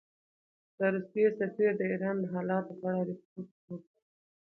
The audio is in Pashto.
د روسیې سفیر د ایران د حالاتو په اړه رپوټ جوړ کړ.